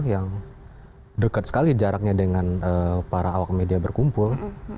yang dekat sekali jaraknya dengan para awak media berkumpul